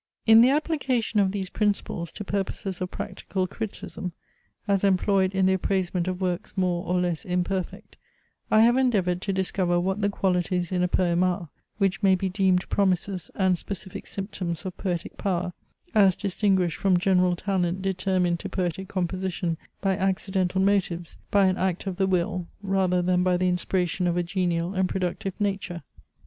In the application of these principles to purposes of practical criticism, as employed in the appraisement of works more or less imperfect, I have endeavoured to discover what the qualities in a poem are, which may be deemed promises and specific symptoms of poetic power, as distinguished from general talent determined to poetic composition by accidental motives, by an act of the will, rather than by the inspiration of a genial and productive nature.